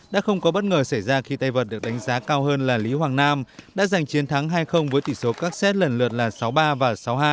đã không có bất ngờ xảy ra khi tây vợt được đánh giá cao hơn là lý hoàng nam đã giành chiến thắng hai với tỷ số các xét lần lượt là sáu ba và sáu hai